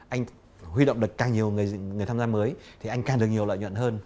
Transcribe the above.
anh huy động được càng nhiều người tham gia mới thì anh càng được nhiều lợi nhuận hơn